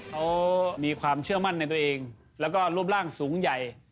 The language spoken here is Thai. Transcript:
เขามีความเชื่อมั่นในตัวเองแล้วก็รูปร่างสูงใหญ่